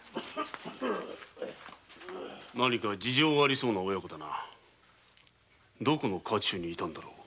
何か事情のありそうな親子だなどこの家中にいたのだろう？